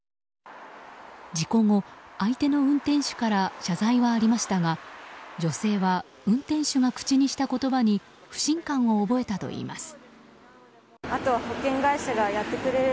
事故後、相手の運転手から謝罪はありましたが女性は、運転手が口にした言葉に不信感を覚えたといいます。